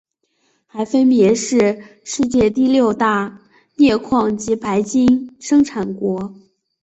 还分别是世界第六大镍矿及白金生产国。